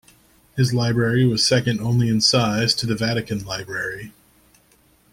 His library was second only in size to the Vatican Library.